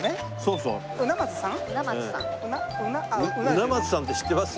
鰻松さんって知ってます？